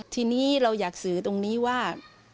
ทีนี้เราอยากสื่อตรงนี้ว่า